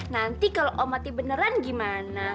nanti kalau oh mati beneran gimana